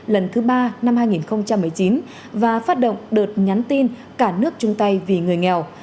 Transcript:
lần thứ ba năm hai nghìn một mươi chín và phát động đợt nhắn tin cả nước chung tay vì người nghèo